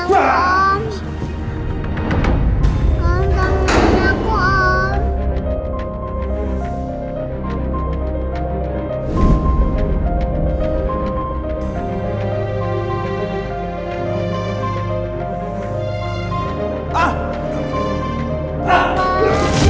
tidak tidak tidak